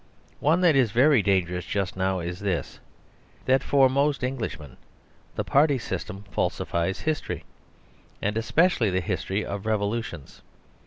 One that is very dangerous just now is this: that for most Englishmen the Party System falsifies history, and especially the history of revolutions.